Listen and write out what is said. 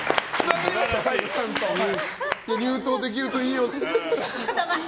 入党できるといいねって。